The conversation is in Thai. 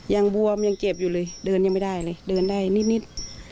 บวมยังเจ็บอยู่เลยเดินยังไม่ได้เลยเดินได้นิด